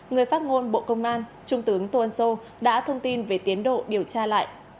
người phát ngôn bộ công an trung tướng tuân sô đã thông tin về tiến độ điều tra lại